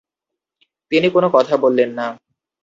তিনি কোনো কথা বললেন না।